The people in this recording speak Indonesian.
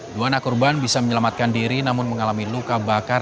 dua anak korban bisa menyelamatkan diri namun mengalami luka bakar